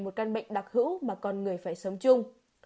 một căn bệnh đặc hữu mà con người phải sống chung